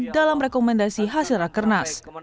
dalam rekomendasi hasil rakernas